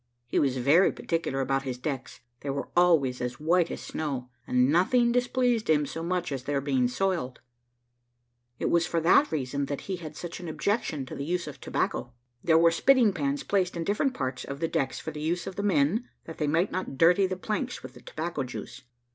He was very particular about his decks; they were always as white as snow, and nothing displeased him so much as their being soiled. It was for that reason that he had such an objection to the use of tobacco. There were spitting pans placed in different parts of the decks for the use of the men, that they might not dirty the planks with the tobacco juice.